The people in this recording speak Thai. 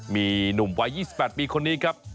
มีหนุ่มวัย๒๘ปีคนนี้ครับ